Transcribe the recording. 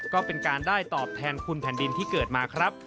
ก็เป็นการได้ตอบแทนคุณแผ่นดินที่เกิดมาครับ